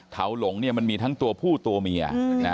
าหลงมันมีทั้งตัวผู้ตัวเมีย